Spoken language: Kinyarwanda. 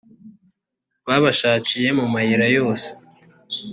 babashakiye mu mayira yose